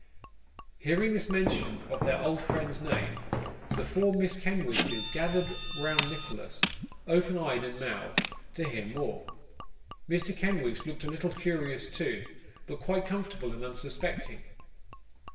Hearing this mention of their old friend's name, the four Miss Kenwigses gathered round Nicholas, open eyed and mouthed, to hear more. Mr. Kenwigs looked a little curious too, but quite comfortable and unsuspecting.